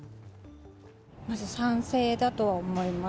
賛成だとは思います。